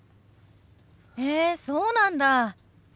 へえそうなんだ。